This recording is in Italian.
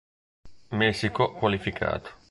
Messico qualificato.